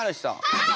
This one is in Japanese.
はい！